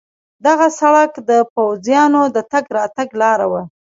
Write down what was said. دغه سړک د پوځیانو د تګ راتګ لار وه.